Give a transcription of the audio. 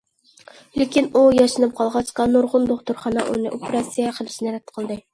لېكىن ئۇ ياشىنىپ قالغاچقا، نۇرغۇن دوختۇرخانا ئۇنى ئوپېراتسىيە قىلىشنى رەت قىلدى.